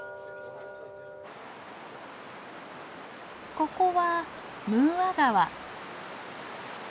ここはムーア川。